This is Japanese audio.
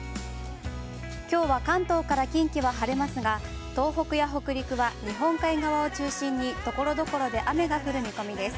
きょうは関東から近畿は晴れますが、東北や北陸は日本海側を中心に、ところどころで雨が降る見込みです。